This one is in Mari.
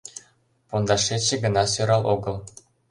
Пондашетше гына сӧрал огыл...